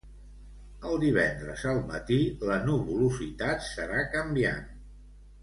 El divendres al matí la nuvolositat serà canviant.